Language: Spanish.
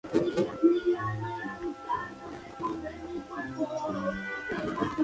Leonor pasó la infancia en la corte de Mantua.